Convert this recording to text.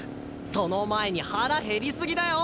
その前に腹減り過ぎだよ。